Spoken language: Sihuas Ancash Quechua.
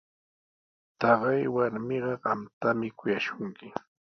Taqay warmiqa qamtami kuyashunki.